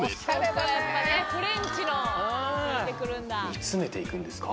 煮詰めていくんですか？